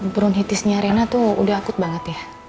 bronchitisnya rena tuh udah akut banget ya